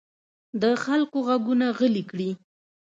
د خلکو غږونه غلي کړي.